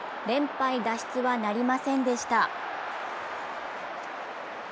連敗脱出はなりませんでした。